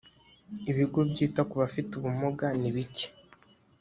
ibigo byita ku bafite ubumuga nibike.